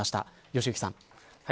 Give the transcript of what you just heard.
良幸さん。